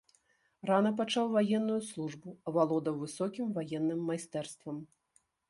Рана пачаў ваенную службу, авалодаў высокім ваенным майстэрствам.